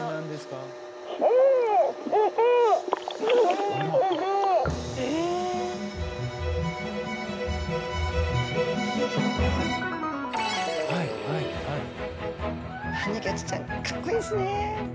かっこいいですね。